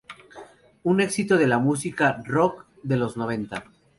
Un exito de la música rock de los noventa.